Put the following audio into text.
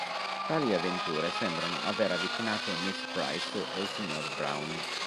Tali avventure sembrano aver avvicinato Miss Price e il signor Browne.